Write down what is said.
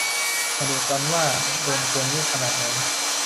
มาดูกันว่า โดนโกงเยอะขนาดไหน